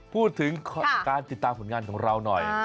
พูดถึงการติดตามผลงานของเราหน่อย